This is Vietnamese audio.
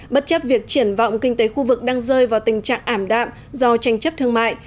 bất chấp việc triển vọng kinh tế khu vực đang rơi vào tình trạng ảm đạm do tranh chấp thương mại